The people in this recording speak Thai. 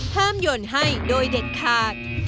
หย่นให้โดยเด็ดขาด